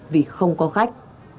vì không có khách